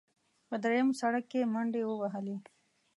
په درېیم سړک کې منډې ووهلې.